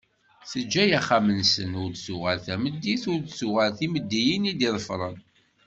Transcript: Teǧǧa axxam-nsen, ur d-tuɣal tameddit, ur d-tuɣal timeddiyin i d-iḍefren.